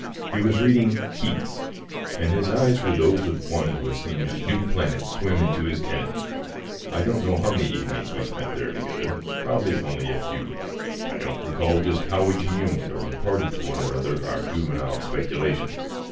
He was reading Keats. And his eyes were those of one who has seen a new planet swim into his ken. I don't know how many evenings we spent there together. Probably only a few. I don't recall just how we communed, or imparted to one another our juvenile speculations.